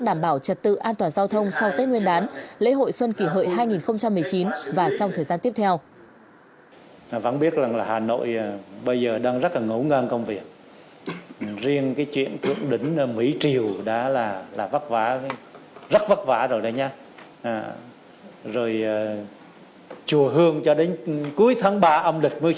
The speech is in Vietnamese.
đảm bảo trật tự an toàn giao thông sau tết nguyên đán lễ hội xuân kỷ hợi hai nghìn một mươi chín và trong thời gian tiếp theo